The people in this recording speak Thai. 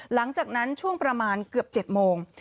หลังจากนั้นช่วงประมาณเกือบ๗โมง